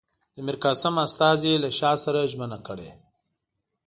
د میرقاسم استازي له شاه سره ژمنه کړې.